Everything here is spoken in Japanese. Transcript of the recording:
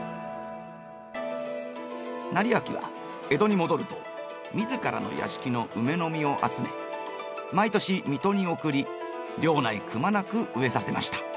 斉昭は江戸に戻ると自らの屋敷のウメの実を集め毎年水戸に送り領内くまなく植えさせました。